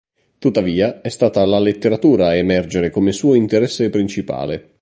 Tuttavia è stata la letteratura a emergere come suo interesse principale.